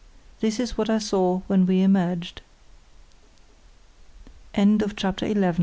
This is what I saw when we emerged. CHAPTER XII.